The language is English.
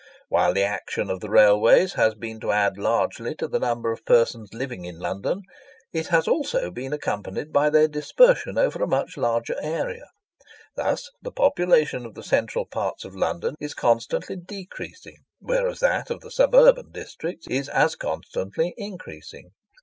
While the action of the railways has been to add largely to the number of persons living in London, it has also been accompanied by their dispersion over a much larger area. Thus the population of the central parts of London is constantly decreasing, whereas that of the suburban districts is as constantly increasing.